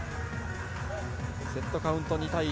セットカウント２対１。